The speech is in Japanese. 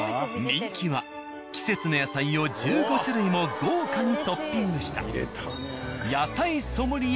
人気は季節の野菜を１５種類も豪華にトッピングした。